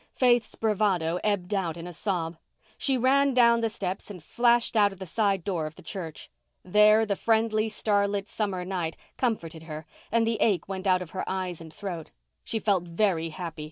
Faith's bravado ebbed out in a sob. She ran down the steps and flashed out of the side door of the church. There the friendly starlit, summer night comforted her and the ache went out of her eyes and throat. She felt very happy.